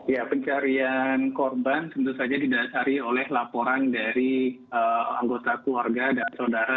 ya pencarian korban tentu saja didasari oleh laporan dari anggota keluarga dan saudara